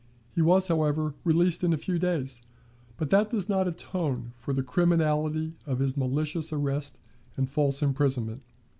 He was, however, released in a few days; but that does not atone for the criminality of his malicious arrest and false imprisonment.